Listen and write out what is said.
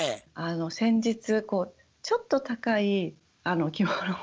先日こうちょっと高い着物を。